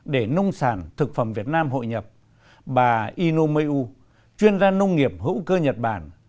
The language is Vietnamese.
để nông sản thực phẩm việt nam hội nhập bà inomeu chuyên gia nông nghiệp hữu cơ nhật bản